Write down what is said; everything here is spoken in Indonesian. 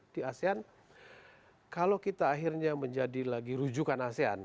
di asean kalau kita akhirnya menjadi lagi rujukan asean